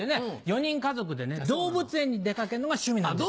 ４人家族で動物園に出掛けるのが趣味なんです。